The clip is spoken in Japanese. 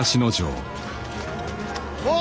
おう！